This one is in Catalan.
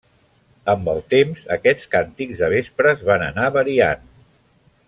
Amb el temps, aquests càntics de vespres, van anar variant.